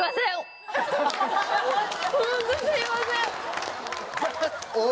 ホントすいません。